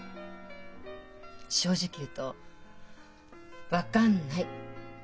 正直言うと分かんない。